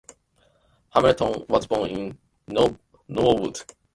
Hamilton was born in Norwood.